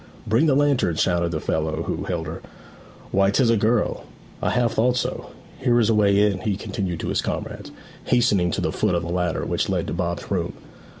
'Bring the lantern,' shouted the fellow who held her. 'Why 'tis a girl! I half thought so Here is a way in,' he continued to his comrades, hastening to the foot of the ladder which led to Bob's room.